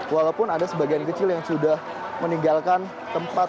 walaupun ada sebagian kecil yang sudah meninggalkan tempat